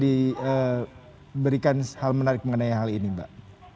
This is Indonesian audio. diberikan hal menarik mengenai hal ini mbak